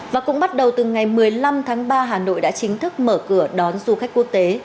và cũng bắt đầu từ ngày một mươi năm tháng ba hà nội đã chính thức mở cửa đón du khách quốc tế